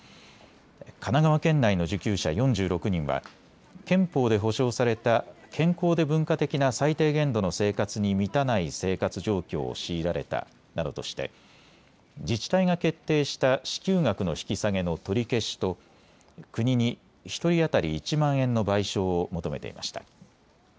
神奈川県内の受給者４６人は憲法で保障された健康で文化的な最低限度の生活に満たない生活状況を強いられたなどとして自治体が決定した支給額の引き下げの取り消しと国に１人当たり１万円の賠償を求めていました。